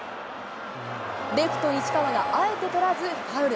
レフト、西川があえて捕らず、ファウル。